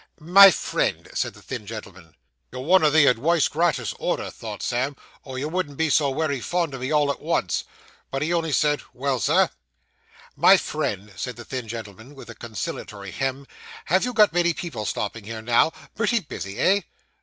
'My friend,' said the thin gentleman. 'You're one o' the adwice gratis order,' thought Sam, 'or you wouldn't be so wery fond o' me all at once.' But he only said 'Well, Sir.' 'My friend,' said the thin gentleman, with a conciliatory hem 'have you got many people stopping here now? Pretty busy. Eh?